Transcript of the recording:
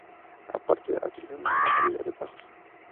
Aparte, ha utilizado una gran variedad de bajos.